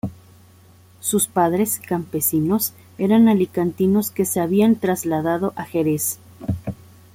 Su padres, campesinos, eran alicantinos que se habían trasladado a Jerez.